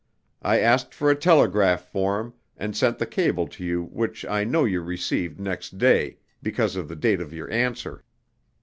I asked for a telegraph form, and sent the cable to you which I know you received next day, because of the date of your answer.